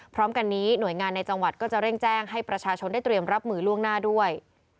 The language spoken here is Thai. พร้อมกันนี้หน่วยงานในจังหวัดก็จะเร่งแจ้งให้ประชาชนได้เตรียมรับมือล่วงหน้าด้วย